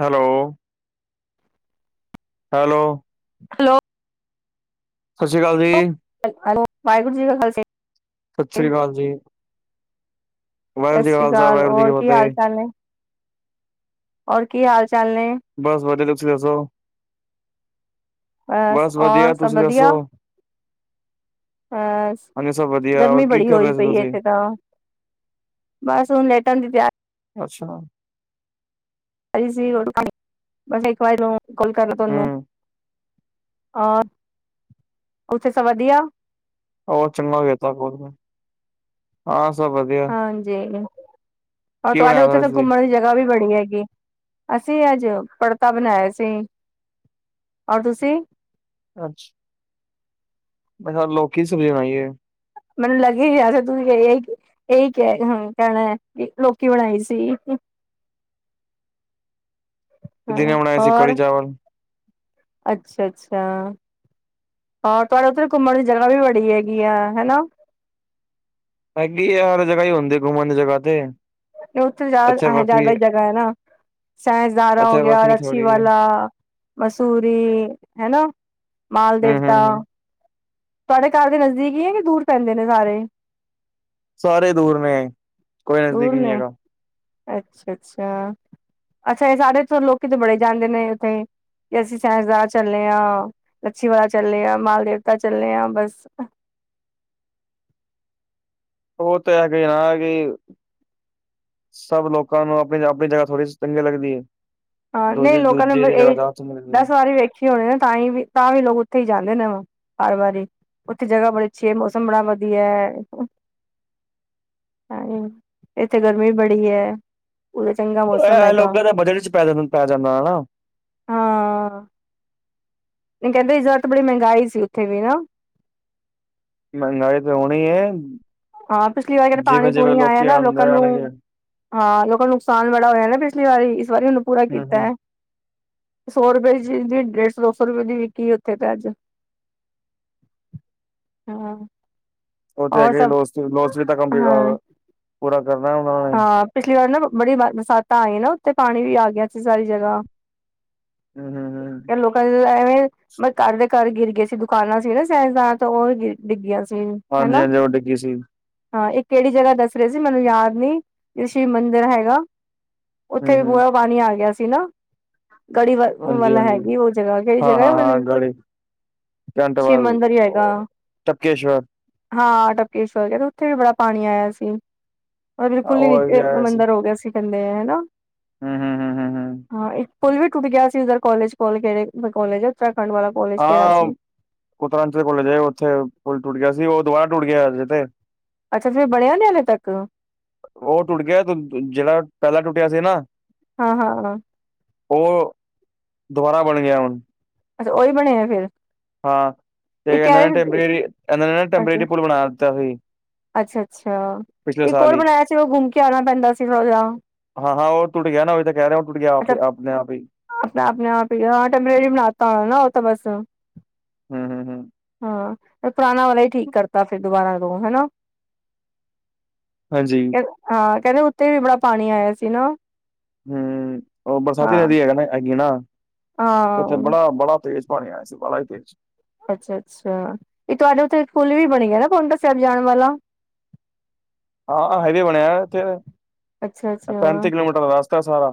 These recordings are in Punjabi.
ਹੈਲੋ। ਹੈਲੋ। ਹਲੋ। ਸਸੀਕਾਲ ਜੀ। ਅਈ ਐਲੋ, ਵਾਹਿਗੁਰੂ ਜੀ ਕਾ ਖਾਲਸਾ ਸਤ ਸਰੀ ਕਾਲ ਜੀ। ਵਾਹਿਗੁਰੂ ਸਤ ਜੀ ਕਾ ਸ੍ਰੀ ਖਾਲਸਾ ਕਾਲ, ਵਾਹਿਗੁਰੂ ਜੀ ਔਰ ਕੀ ਫਤਿਹ ਹਾਲ-ਚਾਲ ਨੇ? ਔਰ ਕੀ ਹਾਲ-ਚਾਲ ਨੇ? ਬਸ ਵਧੀਆ, ਤੁਸੀਂ ਦੱਸੋ? ਬਸ ਵਧੀਆ, ਔਰ ਸਭ ਤੁਸੀਂ ਦੱਸੋ? ਹਾਸ, ਹਾਂਜੀ ਸਭ ਵਧੀਆ ਹੋਰ ਗਰਮੀ ਕੀ ਬੜੀ ਕਰ ਰਹੇ ਹੋਈ ਸੀ ਪਈ ਏ ਤੁਸੀਂ ਇੱਥੇ ਤਾਂ। ਬਸ ਹੁਣ ਲੇਟਨ ਦੀ ਤਿਆਰ ਅੱਛਾ। ਰੀ ਸੀ, ਬਸ ਇੱਕ ਵਾਰੀ ਲੋਂਗ ਕੋਲ ਕਰ ਲਾ ਤੁਆਨੂੰ ਹੂੰ ਔਰ, ਉੱਥੇ ਸਭ ਵਧੀਆ‌? ਹੋਰ ਚੰਗਾ ਕੀਤਾ ਕੋਲ ਕਰ ਹਾਂ, ਸਭ ਵਧੀਆ। ਹਾਂਜੀ, ਓਰ ਕੀ ਤੁਆਡੇ ਉੱਥੇ ਬਣਾਇਆ ਤਾਂ ਤੁਸੀਂ ਘੁੰਮਣ ਦੀ ਜਗ੍ਹਾ ਵੀ ਬੜੀ ਹੈਗੀ ਏ। ਅਸੀਂ ਅੱਜ ਪੜਤਾ ਬਣਾਇਆ ਸੀ। ਔਰ ਤੁਸੀਂ? ਅੱਛਾ। ਮੈਖਾ ਲੋਕੀ ਸਬਜ਼ੀ ਬਣਾਈ ਏ। ਮੈਨੂੰ ਲੱਗ ਹੀ ਰਿਹਾ ਹੀ ਤੁਸੀਂ ਕੇ ਯੇਇਕ ਏਈ ਕੇਐ, ਹੂੰ, ਕੈਣੈ ਕਿ ਲੋਕੀ ਬਣਾਈ ਸੀ। [inaudible] ਦਿਨੇ ਹਾਂ ਬਣਾਏ ਸੀ ਔਰ ਕੜੀ ਚਾਵਲ। ਅੱਛਾ-ਅੱਛਾ, ਔਰ ਤੁਐਡੇ ਉੱਧਰ ਘੁੰਮਣ ਦੀ ਜਗ੍ਹਾ ਵੀ ਬੜੀ ਹੈਗੀ ਆ, ਹੈਨਾ। ਹੈਗੀ ਆ, ਹਰ ਜਗ੍ਹਾ ਈ ਹੁੰਦੀ ਏ ਘੁੰਮਣ ਦੀ ਜਗ੍ਹਾ ਤੇ। ਏ ਉੱਥੇ ਜਾ ਇੱਥੇ ਅ ਵੱਖਰੀ ਜੈਦਾ ਈ ਜਗ੍ਹਾ ਹੈਨਾ। ਸੈਸਧਾਰਾਂ ਹੋ ਇੱਥੇ ਗਿਆ, ਵੱਖਰੀ ਰੱਛੀ ਥੋੜੀ ਏ। ਵਾਲਾ, ਮਸੂਰੀ ਹੈ ਨਾ। ਮਾਲ ਹੂੰ ਦੇਵਤਾ। ਹੂੰ ਤੁਐਡੇ ਘਰ ਦੇ ਨਜ਼ਦੀਕ ਈ ਏ ਕੇ ਦੂਰ ਪੈਂਦੇ ਨੇ ਸਾਰੇ? ਸਾਰੇ ਦੂਰ ਨੇ, ਕੋਈ ਨਜ਼ਦੀਕ ਦੂਰ ਨੀ ਨੇ ਹੈਗਾ। ਅੱਛਾ-ਅੱਛਾ, ਅੱਛਾ ਏਹ ਸਾਰੇ ਇੱਥੋਂ ਲੋਕੀ ਤੇ ਬੜੇ ਜਾਂਦੇ ਨੇ ਉੱਥੇ। ਕਿ ਅਸੀਂ ਸਹਿਸਦਾਰਾ ਚੱਲੇ ਆਂ, ਲੱਛੀ ਵਾਲਾ ਚੱਲੇ ਆਂ, ਮਾਲ ਦੇਵਤਾ ਚੱਲੇ ਆਂ ਬੱਸ। ਉਹ ਤਾਂ ਹੈਗਾ ਈ ਨਾ ਗੀਵ ਸਭ ਲੋਕਾਂ ਨੂੰ ਅਪਣੀ ਜਾ ਅਪਣੀ ਜਗ੍ਹਾ ਥੋੜੀ ਸੀ ਚੰਗੀ ਲਗਦੀ ਏ। ਹਾਂ, ਨਹੀਂ ਲੋਕਾਂ ਨੇ ਬ ਏਹ ਚੰਗੀ ਲੱਗਦੀ ਨੇ ਦੱਸ ਵਾਰੀ ਵੇਖ ਖੀ ਹੋਏ ਨਾ, ਤਾਂ ਈ ਵੀ ਤਾਂ ਵੀ ਲੋਕ ਉੱਥੇ ਈ ਜਾਂਦੇ ਨੇ ਓਹ, ਹਰ ਵਾਰੀ। ਉੱਥੇ ਜਗ੍ਹਾ ਬੜੀ ਅੱਛੀ ਏ। ਮੌਸਮ ਬੜਾ ਵਧੀਆ ਐ। ਹਾਂਏ, ਏਥੇ ਗਰਮੀ ਵੀ ਬੜੀ ਐ। ਉਦੇ ਚੰਗਾ ਬ ਐਹ, ਐਹ ਲੋਕਾਂ ਦਾ ਬਜਟ ਇਚ ਪੈ ਜਾਂਦ ਪੈ ਜਾਂਦਾ ਐਨਾ। ਹਾਂ, ਇਹ ਕੈੰਦੇ ਇਜ਼ ਵਰ ਤੇ ਬੜੀ ਮੈੰਗਾਈ ਸੀ ਉੱਥੇ ਵੀ ਨਾ। ਮਹਿੰਗਾਈ ਤੇ ਹੋਣੀ ਏ ਹਾਂ ਪਿਛਲੀ ਵਾਰ ਜੇੜਾ ਪਾਣੀ-ਪੂਣੀ ਆਇਆ ਨਾ ਲੋਕਾਂ ਆਉਂਦੇ ਨੂੰ ਆਣਗੇ ਹਮ ਹਾਂ ਲੋਕਾਂ ਨੂੰ ਨੁਕਸਾਨ ਬੜਾ ਹੋਇਆ ਨਾ ਪਿਛਲੀ ਵਾਰੀ ਇਸ ਵਾਰੀ ਉਨੂੰ ਪੂਰਾ ਹਮ ਕੀਤੈ। ਸੌ ਰੁਪਏ ਦੀ ਚੀਜ ਡੇਢ ਸੌ, ਦੋ ਸੌ ਰੁਪਏ ਦੀ ਵਿਕੀ ਆ ਉੱਥੇ ਤੇ ਅੱਜ [inaudible] ਹਾਂ। ਓਤੇ ਔਰ ਹੈਗੇ ਸਭ ਲੋਸ [unintelligible] ਤਾਂ ਕੰਮ ਹਾਂ ਪੂਰਾ ਕਰਨਾ ਉਨਾ ਨੇ। ਹਾਂ ਪਿਛਲੀ ਵਾਰ ਨਾ ਬੜੀ ਬਰਸਤਾਂ ਆਈਆਂ ਨਾ। ਉੱਥੇ ਪਾਣੀ ਵੀ ਆ ਗਿਆ ਸੀ ਸਾਰੀ ਜਗਾ ਹਮ ਹਮ ਹਮ ਕ ਲੋਕਾਂ ਦੇ ਐਵੇਂ ਮੈਂ ਘਰ ਦੇ ਘਰ ਗਿਰ ਗੇ ਸੀ ਦੁਕਾਨਾਂ ਸੀ ਨਾ [unintelligible] ਤੋਂ ਓ ਗਿਰ ਡਿੱਗਿਆ ਸੀ ਹੈਨਾ। [unintelligible] ਡਿੱਗੀ ਸੀ। ਹਾਂ ਏ ਕੇੜੀ ਜਗ੍ਹਾ ਦੱਸ ਰੇ ਸੀ ਮੈਨੂੰ ਯਾਦ ਨੀ ਜ ਸ਼ਿਵ ਮੰਦਿਰ ਹੈਗਾ ਹਮ ਉੱਥੇ ਵੀ ਹਮ [unintelligible] ਪਾਣੀ ਆ ਗਿਆ ਸੀ ਨਾ। ਕੜੀ ਵ ਹਾਂਜੀ ਵਾਲਾ ਹਾਂਜੀ ਹੈਗੀਓ ਜਗ੍ਹਾ ਕੇੜੀ ਹਾਂ ਜਗ੍ਹਾ ਹਾਂ ਹਾਂ [unintelligible] ਗਾੜੀ ਸ਼ਿਵ ਕੈਂਟਵਲ ਮੰਦਿਰ ਈ ਹੈਗਾ। ਟਪਕੇਸ਼ਵਰ ਹਾਂ ਟਬਕੇਸਰ ਤੇ ਉੱਥੇ ਵੀ ਬੜਾ ਪਾਣੀ ਆਇਆ ਸੀ। [unintelligible] ਉਹ ਵੀ ਨੀਚੇ ਮੰਦਿਰ ਹੋ ਗਿਆ ਸੀ ਕੈਂਦੇ ਹਨਾ। ਹੂੰ-ਹੂੰ ਹਾਂ ਇਕ ਪੁਲ ਵੀ ਟੁੱਟ ਗਿਆ ਸੀ ਉਧਰ ਕੋਲਜ ਕੋਲ ਕੇੜੇ ਕੋਲੇਜ ਉਤਰਾਖੰਡ ਵਾਲਾ ਕਾਲਜ ਕਿਹੜਾ ਹਾਂ ਸੀ ਕੁਤਰੰਜ ਦੇ ਕੋਲੇ ਜੇ ਉੱਥੇ ਫੁੱਲ ਟੁਟ ਗਿਆ ਸੀ ਓ ਦੁਬਾਰਾ ਟੁੱਟ ਗਿਆ ਅਜੇ ਤੇ ਅੱਛਾ ਫਿਰ ਬਣਿਆ ਨੀ ਹਲੇ ਤੱਕ ਓ ਟੁੱਟ ਗਿਆ ਜ ਜੇੜਾ ਪੈਲਾਂ ਟੁੱਟਿਆ ਸੀ ਨਾ ਹਾਂ-ਹਾਂ-ਹਾਂ। ਓ ਅ ਦੁਬਾਰਾ ਬਣ ਗਿਆ ਹੁਣ। ਅੱਛਾ ਓਈ ਬਣਿਐ ਫ਼ਿਰ। ਹਾਂ ਤੇ ਏਨਾਂ ਨੇ ਟੈਂਪਰੇਰੀ ਏਨਾਂ ਨੇ ਨਾ ਟੈਂਪਰੇਰੀ ਪੁਲ ਬਣਾ ਦਿੱਤਾ ਸੀ ਅੱਛਾ-ਅੱਛਾ ਪਿਛਲੇ ਇੱਕ ਸਾਲ ਹੋਰ ਹੀ ਬਣਾਇਆ ਸੀ ਓ ਗੁੰਮ ਕੇ ਆਣਾ ਪੈਂਦਾ ਸੀ ਥੋੜਾ ਜਾ। ਹਾਂ-ਹਾਂ ਓ ਟੁੱਟ ਗਿਆ ਨਾ ਓ ਈ ਤਾਂ ਕੈ ਰਿਆ ਓ ਟੁੱਟ ਗਿਆ ਆਪ ਅੱਛਾ ਆਪਣੇ ਆਪ ਈ ਆਪਣਾ ਆਪਣੇ ਆਪ ਈ ਟੈਂਪਰੇਰੀ ਬਣਾਤਾ ਓ ਨਾ ਓ ਤਾਂ ਬੱਸ। ਹੂੰ-ਹੂੰ-ਹੂੰ ਹਾਂ ਏ ਪੁਰਾਣਾ ਵਾਲਾ ਈ ਠੀਕ ਕਰਤਾ ਫਿਰ ਦੁਬਾਰਾ ਤੋਂ ਹਨਾ। ਹਾਂਜੀ। ਹਾਂ ਕੈਂਦੇ ਉੱਤੇ ਵੀ ਬੜਾ ਪਾਣੀ ਆਇਆ ਸੀ ਨਾ। ਹੂੰ ਓ ਬਰਸਾਤੀ ਹਾਂ ਨਦੀ ਹੈਗਾ ਹੈਗੀ ਨਾ ਤੇ ਉੱਥੇ ਹਾਂ ਬੜਾ-ਬੜਾ ਤੇਜ਼ [unintelligible] ਅੱਛਾ-ਅੱਛਾ ਤੇ ਤੁਹਾਡੇ ਉੱਥੇ ਪੁਲ ਵੀ ਬਣ ਗਿਆ ਨਾ ਪਉਂਟਾ ਸਾਇਬ ਜਾਣ ਵਾਲਾ‌। [inaudible] ਹਾਂ ਹਾਈਵੇ ਬਣਿਆ ਇੱਥੇ ਅੱਛਾ ਅੱਛਾ ਪੈਂਤੀ ਕਿਲੋਮੀਟਰ ਦਾ ਰਸਤਾ ਸਾਰਾ।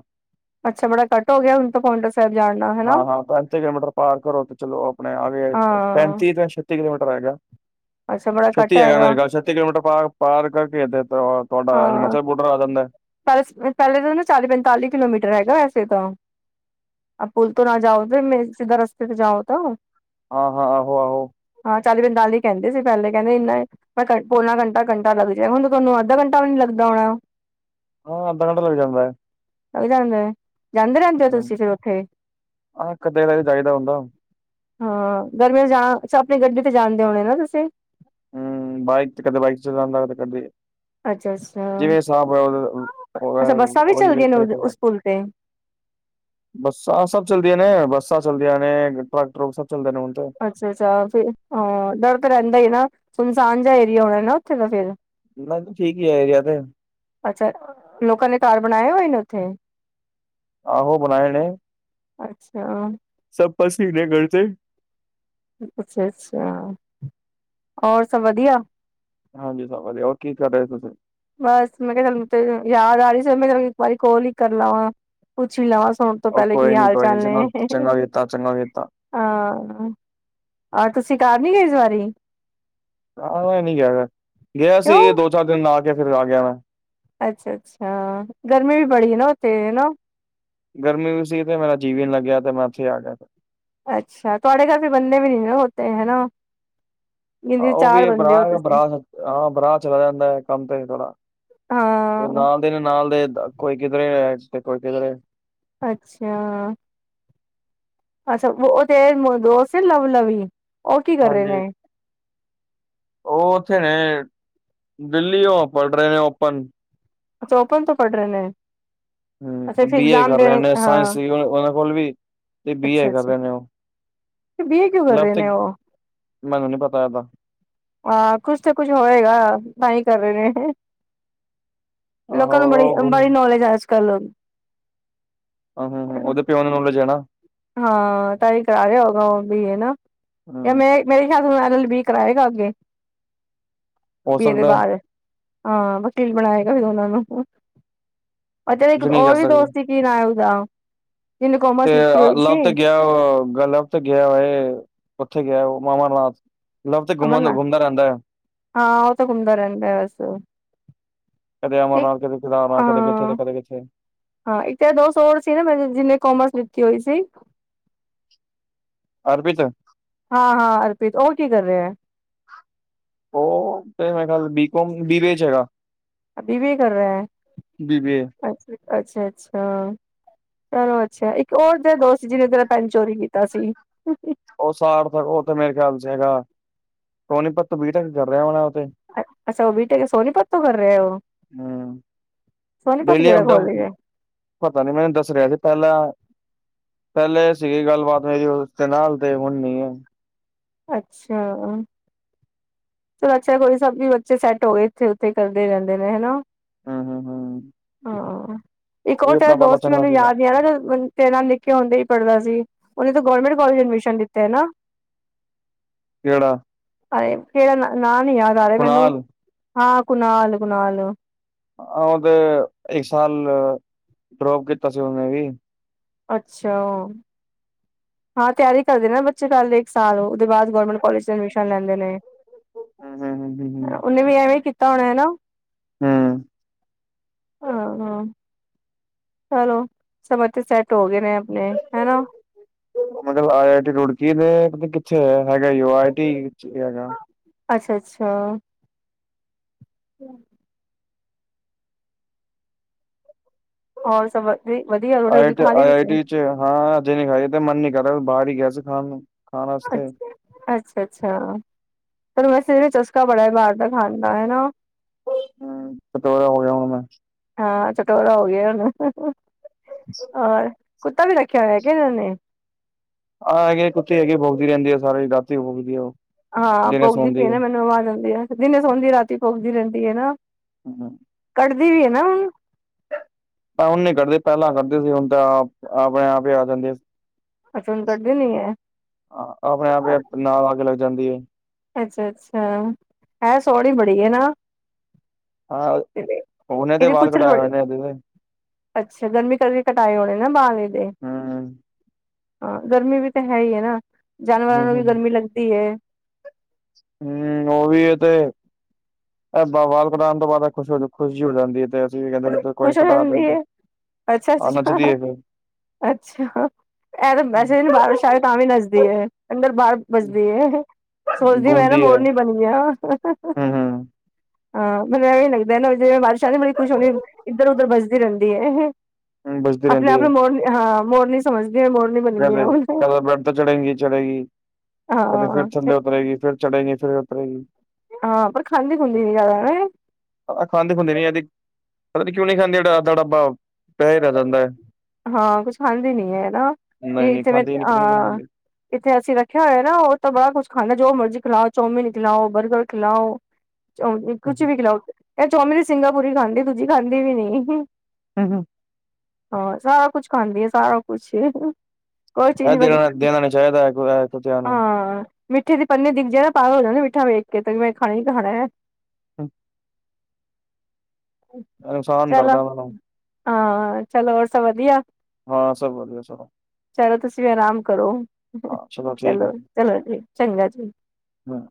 ਅੱਛਾ ਬੜਾ ਕੱਟ ਹੋ ਗਿਆ ਹੁਣ ਤਾਂ ਪੋਂਟਾ ਸਾਹਿਬ ਜਾਣ ਦਾ ਹਨਾ ਹਾਂ-ਹਾਂ ਪੰਜ ਛੇ ਕਿਲੋਮੀਟਰ ਪਾਰ ਕਰੋ ਚਲੋ ਆਪਣੇ ਆਵੇ ਹਾਂ ਪੈਂਤੀ ਤੋਂ ਛ ਤੀ ਕਿਲੋਮੀਟਰ ਹੈਗਾ ਅੱਛਾ ਬੜਾ ਕੱਟ ਛੱਤੀ ਹੈਗਾ ਮੇਰੇ ਖਿਆਲ ਛੱਤੀ ਕਿਲੋਮੀਟਰ ਪਾਰ ਕਰਕੇ [inaudible] ਤੁਹਾਡਾ ਹਿਮਾਚਲ ਬੋਡਰ ਆ ਜਾਂਦੈ। ਪੈਲਸ ਪੈਲੇ ਤਾਂ ਨਾ ਚਾਲੀ ਪੰਤਾਲੀ ਕਿਲੋਮੀਟਰ ਹੈਗਾ ਵੈਸੇ ਤਾਂ ਆ ਪੁਲ ਤੋਂ ਨਾ ਜਾਓ ਫਿਰ ਮੇਨ ਸਿੱਧਾ ਰਸਤੇ ਤੇ ਜਾਓ ਤਾਂ। ਹਾਂ-ਹਾਂ ਆਹੋ-ਆਹੋ। ਹਾਂ ਚਾਲੀ ਦੇ ਨਾਲ ਹੀ ਕਹਿੰਦੇ ਸੀ ਪਹਿਲੇ ਕਹਿੰਦੇ ਇਨਾ ਮੈਂ ਪੋਨਾ ਘੰਟਾ ਘੰਟਾ ਲੱਗ ਜਾਏਗਾ ਹੁਣ ਤੁਹਾਨੂੰ ਅੱਧਾ ਘੰਟਾ ਵੀ ਨੀ ਲੱਗਦਾ ਹੋਣਾ। ਹਾਂ ਅੱਧਾ ਘੰਟ ਲੱਗ ਜਾਂਦਾ। ਲੱਗ ਜਾਂਦਾ, ਜਾਂਦੇ ਰਹਿੰਦੇ ਹੋ ਤੁਸੀਂ ਫਿਰ ਉੱਥੇ। ਹਾਂ ਕਦੇ ਕਦਾਈ ਜਾਈਦਾ ਹੁੰਦਾ। ਹਾਂ ਗਰਮੀਆਂ ਜਾਂ ਸ਼ੋਪਿੰਗ ਜਾਣਦੇ ਹੋਣੇ ਨਾ ਤੁਸੀਂ। ਹੂੰ ਬਾਈਕ ਤੇ ਕਦੇ ਬਾਈਕ 'ਚ ਜਾਂਦਾ ਕਦੇ-ਕਦੇ। ਅੱਛਾ ਅੱਛਾ ਜਿਵੇਂ ਹਿਸਾਬ ਹੋਇਆ, ਅੱਛਾ ਬੱਸਾਂ ਵੀ ਉਹੀ ਚੱਲਦੀਆਂ ਨੇ ਉਸ ਪੁਲ ਤੇ ਬੱਸਾਂ ਸਭ ਚਲਦੀਆਂ ਨੇ ਬੱਸਾਂ ਚੱਲਦੀਆਂ ਨੇ ਟਰੱਕ ਟਰੁਕ ਸਭ ਚੱਲਦੇ ਨੇ ਹੁਣ ਤੇ। ਅੱਛਾ-ਅੱਛਾ ਫਿਰ, ਡਰ ਤਾਂ ਰਹਿੰਦਾ ਈ ਨਾ ਸੁੰਨਸਾਨ ਜਾ ਏਰੀਆ ਹੋਣਾ ਨਾ ਉੱਥੇ ਦਾ ਫਿਰ। ਬਸ ਠੀਕ ਈ ਏ ਏਰੀਆ ਤੇ। ਅੱਛਾ, ਲੋਕਾਂ ਨੇ ਘਰ ਬਣਾਏ ਹੋਏ ਨੇ ਉੱਥੇ? ਆਹੋ ਬਣਾਏ ਨੇ। ਅੱਛਾ। ਸਭ ਪਸੀ [unintelligible] ਅੱਛਾ-ਅੱਛਾ, ਹੋਰ ਸਭ ਵਧੀਆ। ਹਾਂਜੀ ਸਭ ਵਧੀਆ ਹੋ ਕੀ ਕਰ ਰਹੇ ਤੁਸੀਂ? ਬਸ ਮੈਂ ਕਿਹਾ ਤੁਹਾਨੂੰ ਯਾਦ ਆ ਰਹੀ ਸੀ ਮੈਂ ਕਿਹਾ ਇੱਕ ਵਾਰੀ ਕੋਲ ਹੀ ਕਰ ਲਵਾਂ। ਪੁੱਛ ਵੀ ਲਵਾਂ ਸੋਣ ਤੋਂ ਉਹ ਪਹਿਲੇ ਕੀ ਕੋਈ ਨੀ ਕੋਈ ਨੀ ਹਾਲ-ਚਾਲ ਚੰਗਾ ਨੇ। ਚੰਗਾ ਕੀਤਾ ਚੰਗਾ ਕੀਤਾ ਹਾਂ, ਆਹ ਤੁਸੀਂ ਘਰ ਨੀ ਗਏ ਇਸ ਵਾਰੀ। ਹਾਂ ਮੈਂ ਨੀ ਗਿਆ ਗਾ, ਗਿਆ ਕਿਉਂ ਸੀ ਦੋ ਚਾਰ ਦਿਨ ਲਾ ਕੇ ਫਿਰ ਆ ਗਿਆ ਮੈਂ। ਅੱਛਾ-ਅੱਛਾ ਗਰਮੀ ਵੀ ਬੜੀ ਹੈ ਨਾ ਉੱਥੇ ਨਾ। ਗਰਮੀ ਵੀ ਸੀ ਤੇ ਮੇਰਾ ਜੀਅ ਵੀ ਨਹੀਂ ਲੱਗਿਆ ਤੇ ਉੱਥੇ ਆ ਗਿਆ। ਅੱਛਾ ਤੁਹਾਡੇ ਘਰ ਵੀ ਬੰਦੇ ਵੀ ਨਹੀਂ ਹੋਤੇ ਹਨਾ। ਜਿੰਦੇ ਉਹ ਚਾਰ ਵੀ ਬੰਦੇ ਹੋ ਬਰਾ ਬਰਾ ਤੁਸੀਂ ਹਾਂ ਬਰਾ ਚਲਾ ਜਾਂਦਾ ਹੈ ਕੰਮ ਤੇ ਥੋੜ੍ਹਾ। ਤੇ ਹਾਂ ਨਾਲ ਦੇ ਨਾ ਨਾਲ ਦੇ ਕੋਈ ਕਿਧਰੇ ਤੇ ਕੋਈ ਕਿਧਰੇ। ਅੱਛਾ ਅੱਛਾ ਉਹ ਤੇ ਦੋਸਤ ਸੀ ਲਵ ਲਵੀ, ਉਹ ਕੀ ਕਰ ਰਹੇ ਹਾਂਜੀ ਨੇ? ਉਹ ਉੱਥੇ ਨੇ, ਦਿੱਲੀ ਉਹ ਪੜ੍ਹ ਰਹੇ ਨੇ ਓਪਨ। ਅੱਛਾ ਓਪਨ ਤੋਂ ਪੜ ਰਹੇ ਨੇ। ਅੱਛਾ ਫਿਰ ਬੀਏ ਇਗਜ਼ਾਮ ਕਰ ਦੇਣੇ ਰਹੇ ਹਾਂ। ਸਾਇੰਸ ਵੀ ਉਹ ਉਹਦੇ ਕੋਲ ਵੀ, ਤੇ ਬੀਏ ਕਰ ਅੱਛਾ-ਅੱਛਾ ਰਹੇ ਨੇ ਉਹ। ਬੀ ਏ ਕਿਉ ਕਰ ਲਵ ਰਹੇ ਤੇ ਨੇ ਉਹ? ਮੈਨੂੰ ਨੀ ਪਤਾ ਇਹਦਾ ਹਾਂ ਕੁਛ ਤੇ ਕੁਛ ਹੋਏਗਾ, ਤਾਂ ਹੀ ਕਰ ਰਹੇ ਨੇ। ਆਹੋ ਲੋਕਾਂ ਨੂੰ ਬੜੀ ਉਹ ਗੁੰਮ ਵਾਲੀ ਨੌਲੇਜ ਹੈ ਅੱਜ-ਕੱਲ੍ਹ। ਹਾਂ ਹਾਂ ਹਾਂ ਉਹਦੇ ਪਿਓ ਨੂੰ ਨਾਲੇਜ ਏ ਨਾ। ਹਾਂ ਤਾਹੀ ਕਰਾ ਰਿਹਾ ਹੋਊਗਾ ਉਹ ਬੀ ਏ ਨਾ। ਇਹ ਹੂੰ, ਮੈਂ ਮੇਰੇ ਖਿਆਲ ਮੈਡਲ ਵੀ ਕਰਾਏਗਾ ਅੱਗੇ, ਹੋ ਬੀ ਏ ਦੇ ਸਕਦਾ ਹੈ, ਬਾਅਦ। ਹਾਂ ਵਕੀਲ ਬਣਾਏਗਾ ਫਿਰ ਉਹਨਾਂ ਨੂੰ। ਅੱਛਾ ਨਾ ਇੱਕ ਕੁਝ ਨਹੀਂ ਕਰ ਹੋਰ ਵੀ ਸਕਦੇ ਦੋਸਤ ਸੀ। ਫਿਰ ਆਂਵਦਾ, ਤਿੰਨ ਕੌਮਾ ਸ ਲਬ ਤੇ ਗਿਆ ਵਾ ਲਬ ਤੇ ਗਿਆ ਵਾ, ਉੱਥੇ ਗਿਆ ਵਾ ਉਹ ਅਮਰਨਾਥ। ਲਵ ਤੇ ਘੁੰਮਣ ਅਮਨਾ। ਘੁੰਮਦਾ ਰਹਿੰਦਾ ਹੈ ਹਾਂ ਉਹ ਤਾਂ ਘੁੰਮਦਾ ਰਹਿੰਦਾ ਬਸ। ਕਦੇ ਇੱਕ ਅਮਰਨਾਥ, ਕਦੇ ਕਿਦਾਰਨਾ, ਕਦੇ ਕਿੱਥੇ ਤੇ ਹਾਂ ਕਦੇ ਕਿੱਥੇ। ਹਾਂ ਇੱਕ ਤਾਂ ਦੋ ਸੌ ਹੋਰ ਸੀ ਨਾ ਮੈਂ ਜਿਨੇ ਕੋਮਰਸ ਲਿੱਤੀ ਹੋਈ ਸੀ। ਅਰਪਿਤ ਹਾਂ ਹਾਂ ਅਰਪ੍ਰੀਤ ਔ ਕੀ ਕਰ ਰਿਹਾ ਹੈ। ਉਹ ਮੇਰਾ ਖਆਲ B com, B B A ਚ ਹੈਗਾ। ਬੀ ਬੀ ਏ ਕਰ ਰਿਹਾ ਬੀਬੀਏ ਹੈ ਅੱਛਾ ਅੱਛਾ। ਚਲੋ ਅੱਛਾ ਇੱਕ ਔ ਤੇਰਾ ਦੋਸਤ ਜਿਹਨੇ ਤੇਰਾ ਪੈਨ ਚੋਰੀ ਕੀਤਾ ਸੀ। ਉਹ ਸਾਰ ਤ ਉਹ ਤੇ ਮੇਰੇ ਖਿਆਲ ਚ ਹੈਗਾ ਸੋਨੀਪਤ ਤੋ ਬੀ ਟੈਕ ਕਰ ਰਿਹਾ ਹੋਣਾ ਉਹ ਤੇ ਅੱਛਾ ਔ ਬੀ ਟੈਕ ਸੋਨੀਪਤ ਤੋਂ ਕਰ ਰਹਾ ਹੈ ਔ। ਹੂੰ, ਡੇਲੀ ਆਂਦਾ ਔ ਪਤਾ ਨੀ ਮੈਨੂੰ ਦੱਸ ਰਿਹਾ ਸੀ ਪਹਿਲਾਂ ਪਹਿਲੇ ਇਹ ਸੀਗੀ ਗੱਲਬਾਤ ਮੇਰੀ ਉਸਦੇ ਨਾਲ ਤੇ ਹੁਣ ਨੀ ਹੈ। ਅੱਛਾ। ਚਲੋ ਅੱਛਾ ਕੋਈ ਸਭ ਵੀ ਬੱਚੇ ਸੈੱਟ ਹੋ ਗਏ, ਇੱਥੇ ਉੱਥੇ ਕਰਦੇ ਰਹਿੰਦੇ ਨੇ ਹਨਾ। ਹੂੰ, ਹੂੰ, ਹੂੰ ਹਾਂ ਇੱਕ ਉਹ ਵੀ ਹੋਰ ਤੇਰਾ ਆਪਣਾ ਵਾਲਾ ਦੋਸਤ ਚੰਗਾ ਮੈਨੂੰ ਸੀਗਾ ਯਾਦ ਨਹੀਂ ਆ ਰੇਹਾ ਤੇਰੇ ਨਾਲ ਨਿੱਕੇ ਹੁੰਦੇ ਹੀ ਪੜ੍ਹਦਾ ਸੀ, ਉਹਨੇ ਤਾਂ ਗੌਰਮੈਂਟ ਕੋਲਜ ਐਡਮਿਸ਼ਨ ਲਿਤਾ ਨਾ। ਕਿਹੜਾ। ਅ ਕਿੜਾ ਨਾਮ ਨੀ ਯਾਦ ਆ ਰਿਹਾ ਮੈਨੂੰ ਕੁਨਾਲ ਹਾਂ ਕੁਨਾਲ ਕੁਨਾਲ। ਆ ਔ ਤੇ ਇੱਕ ਸਾਲ ਡਰੋਪ ਕੀਤਾ ਸੀ ਉਹਨੇ ਵੀ ਅੱਛਾ। ਹਾਂ ਤਿਆਰੀ ਕਰਦੇ ਨਾ ਬੱਚੇ ਚੱਲ ਇੱਕ ਸਾਲ ਉਹਦੇ ਬਾਦ ਗੌਰਮੈਂਟ ਕੋਲਜ ਏਡਮਿਸ਼ਨ ਲੈਂਦੇ ਨੇ ਹੂੰ-ਹੂੰ-ਹੂੰ-ਹੂੰ-ਹੂੰ। ਉਹਨੇ ਵੀ ਐਵੇਂ ਕੀਤਾ ਹੋਣਾ ਨਾ ਹੂ ਹਾਂ ਹਾਂ ਚਲੋ ਸਬ ਬੱਚੇ ਸੈਟ ਹੋ ਗਏ ਨੇ ਆਪਣੇ ਹੈਨਾ। ਔ ਮਤਲਬ ਆਈ ਆਈ ਟੀ ਰੁੜਕੀ ਦੇ ਕਿੱਥੇ ਹੈਗਾ, ਔ ਆਈ ਆਈ ਟੀ ਵਿਚ ਹੀ ਹੈਗਾ। ਅੱਛਾ ਅੱਛਾ। [inaudible] ਹੋਰ ਸਭਰ ਨੀ ਵਧੀਆ। ਰੋਟੀ ਰੋਟੀ ਆਈਟ ਖਾ ਲਈ ਆਈ ਤੁਸੀਂ ਟੀ ਚ, ਹਾਂ ਅਜੇ ਨ ਖਾਈ ਤੇ ਮਨ ਨੀ ਕਰ ਰਿਹਾ ਬਾਹਰ ਹੀ ਗਿਆ ਸੀ ਖਾਣ ਨੂੰ। ਖਾਣ ਆਸਤੇ ਅ ਅੱਛਾ ਅੱਛਾ ਪਰ ਵੈਸੇ ਚਸਕਾ ਬੜਾ ਐ ਬਾਹਰ ਦਾ ਖਾਂਣ ਦਾ ਹੈਨਾ। [unintelligible] ਹਾਂ ਚਟੋਰਾ ਹੋ ਗਿਆ ਹੁਣ ਹੋਰ ਕੁੱਤਾ ਵੀ ਰਖਿਆ ਹੋਇਆ ਕਿ ਇਹਨਾਂ ਨੇ ਆਹ ਹੈਗੇ ਕੁੱਤੀ ਹੈਗੇ ਐ, ਭੋਕਦੀ ਰਹਿੰਦੀ ਐ ਸਾਰੀ ਰਾਤੀ ਭੋਗਦੀ ਹੈ ਉਹ ਹਾਂ ਦਿਨੇ ਭੋਕਦੀ ਸੌਂਦੀ ਹੈ। ਪਈ ਮੈਨੂੰ ਆਵਾਜ਼ ਆਉਂਦੀ ਆ ਦਿਨੇ ਸੋਂਂਦੀ ਰਾਤੀ ਭੋਕਦੀ ਰਹਿੰਦੀ ਹੈ ਨਾ। [inaudible] ਕੱਟਦੀ ਵੀ ਹੈ ਹੁਣ ਆ ਹੁਣ ਨੀ ਕਟਦੀ ਪਹਿਲਾਂ ਕੱਟਦੀ ਸੀ ਹੁਣ ਤੇ ਆਪ ਆਪਣੇ ਆਪ ਹੀ ਆ ਜਾਂਦੀ ਆ। ਅੱਛਾ ਹੁਣ ਵਡਦੀ ਨੀ ਐ। ਹਾਂ ਆਪਣੇ ਆਪ ਨਾਲ ਆਕੇ ਲੱਗ ਜਾਂਦੀ ਏ। ਅੱਛਾ-ਅੱਛਾ ਹੈ ਸੋਹਣੀ ਬੜੀ ਹੈ ਨਾ। ਹਾਂ ਉਹਨੇ ਤੇ ਇਹਦੇ ਵਾਲ ਪੁੱਛ ਕਟਾਇਆ ਹੋਏ ਨੇ ਏਦੇ ਓਏ ਅੱਛਾ ਗਰਮੀ ਕਰਕੇ ਕਟਾਏ ਹੋਣੇ ਨਾ ਵਾਲ ਏਦੇ। ਹਮ ਹਾਂ ਗਰਮੀ ਵੀ ਤਾਂ ਹੈ ਹੀ ਹੈ ਨਾ ਜਾਨਵਰਾਂ ਨੂੰ ਵੀ ਹਮ ਗਰਮੀ ਲੱਗਦੀ ਹੈ। ਹੂ ਉਹ ਵੀ ਏ ਤੇ ਇਹ ਬ ਬਾਲ ਕਟਾਉਣ ਤੋਂ ਬਾਦ ਖੁਸ਼ ਹੋ ਖੁਸ਼ੀ ਹੋ ਜਾਂਦੀ ਹੈ ਤੇ ਦੀਦੀ ਕਹਿੰਦਾ ਕੋਈ ਨਾ ਖੁਸ਼ ਹੋ ਕਟਾ ਦੇ ਜਾਂਦੀ ਫੇਰ, ਹੈ ਅੱਛਾ ਆ ਅੱਛਾ ਨਚਦੀ ਐ ਫਿਰ। ਅੱਛਾ ਹਹ, ਇਹ ਐਵੇ ਵੈਸੇ ਬਾਰਿਸ਼ ਆ, ਤਾਂ ਵੀ ਨੱਚਦੀ ਏ ਅੰਦਰ ਬਾਹਰ। ਭੱਜਦੀ ਹੈ, ਸੋਚਦੀ ਮੈਂ ਨਾ ਗਾਉਂਦੀ ਹੈ ਮੋਰਨੀ ਬਣੀ ਆ ਹਹਹ ਹਮ ਹਮ ਹਾਂ ਮੈਨੂੰ ਇਹ ਲੱਗਦਾ ਜਿਵੇਂ, ਬਾਰਿਸ਼ਾ ਆਂਦੀ ਬੜੀ ਕੁੱਛ ਹੁੰਦੀ ਇੱਧਰ -ਉੱਧਰ ਪਜਦੀ ਰਹਿੰਦੀ ਏ। ਹਮ ਬਜਦੀ ਆਪਣੇ ਰਹਿੰਦੀ ਆਪ ਹੈ ਨੂੰ ਮੋਰਨੀ ਹਾਂ, ਮੋਰਨੀ ਸਮਝਦੀ ਹ ਮੋਰਨੀ। ਬਣ ਗਈ ਕਦੇ ਹੁਣ -ਕਦੇ ਬੈਡ ਤੇ ਚੜੇਗੀ -ਚੜੇਗੀ, ਕਦੇ ਫਿਰ ਹਾਂ ਥੱਲੇ ਉਤਰੇਗੀ ਫਿਰ ਚੜੇਗੀ ਫਿਰ ਉਤਰੇ ਗੀ। ਹਾਂ, ਪਰ ਖਾਂਦੀ- ਖੁਦੀ ਨੀ ਜਾਦਾ ਹੈ। ਆ ਖਾਂਦੇ- ਖੁਦੀ ਨੀ, ਇਹ ਦੇਖੀ [inaudible] ਪਤਾ ਨੀ ਕਿਉਂ ਨੀ ਖਾਂਦੀ, ਸੋਡਾ ਆਂਵਦਾ ਟਾਬਾ ਉਹ [inaudible] ਪੈਸੈ ਲੈਦਾਂ ਆ। ਹਾਂ, ਕੁਛ ਖਾਂਦੀ ਨੀ ਏ ਨਾ, ਨਹੀਂ ਨਹੀਂ ਇੱਥੇ ਮੈ ਖਾਂਦੇ ਨਹੀਂ ਪਤਾ ਨਹੀਂ ਕਿਉਂ ਨੀ ਆ ਖਾਂਦੇ। ਇੱਥੇ ਅਸੀਂ ਰੱਖਿਆ ਹੋਇਆ ਨਾ, ਉਹ ਤਾਂ ਬੜਾ ਕੁਛ ਖਾਂਦਾ, ਜੋ ਮਰਜ਼ੀ ਖਿਲਾਓ ਚੌਮੀਨ ਖਿਲਾਓ ਬਰਗਰ ਖਿਲਾਓ। ਚੌਮੀਨੀ ਕੁਛ ਹੂੰ, ਵੀ ਖਿਲਾਓ, ਇਹ ਚੌਮੀਨੀ ਦੀ ਸਿੰਗਾਪੁਰੀ ਖਾਂਦੀ, ਦੂਜੀ ਖਾਂਦੀ ਵੀ ਨਹੀ ਹਹਹ ਹਮ, ਹਾਂ, ਸਾਰਾ ਕੁਛ ਖਾਂਦੀ ਆ, ਸਾਰਾ ਕੁਛ ਹੀ ਕੋਈ ਚੀਜ਼ ਇਹ ਨੀ ਵੇਸੈ, ਦੇਣਾ ਦੇਣਾ ਨੀ ਚਾਹੀਦਾ ਹੈ ਕੁ ਕੁੱਤਿਆਂ ਨੂੰ। ਹਾਂਹ ਮਿੱਠੇ ਦੀ ਪੰਨੇ ਦਿਖ ਜੇ ਪਾਗਲ ਹੋ ਜਾਣਗੇ, ਮਿੱਠਾ ਵੇਖ ਕੇ ਤੇ ਮੈਂ ਖਾਣਾ ਈ ਖਾਣਾ ਐ। ਹਮ ਅੱਛਾ [inaudible] ਇਨਸਾਨ ਕਰਦਾ ਵਾ ਕਮ ਹਾ ਚੱਲ ਹੋਰ ਸਭ ਵਧੀਆ। ਹਾਂ, ਸਭ ਵਧੀਆ ਸਭ। ਚਲੋ ਤੁਸੀਂ ਵੀ ਆਰਾਮ ਕਰੋ, ਹਾਂ ਠੀਕ ਚਲੋ, ਚਲੋ ਜੀ ਚੰਗਾ ਜੀ। ਹਮ,